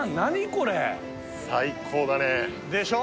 これ最高だねでしょ？